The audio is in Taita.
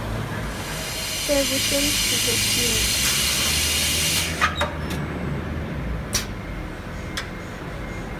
Kuseghushe mzigo chieni.